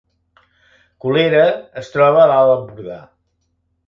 Colera es troba a l’Alt Empordà